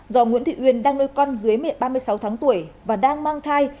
do nguyễn thị uyên đang nuôi con dưới mẹ ba mươi sáu tháng tuổi và đang mang thai